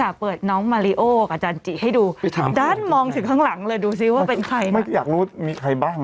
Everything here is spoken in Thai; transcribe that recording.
เปิดน้องมาริโอกับอาจารย์จิให้ดูด้านมองถึงข้างหลังเลยดูซิว่าเป็นใครไม่อยากรู้มีใครบ้าง